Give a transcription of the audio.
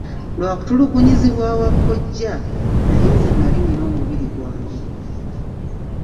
Lwa kutulugunyizibwa wa kkojja naye nze nnali nnina omubiri gwange.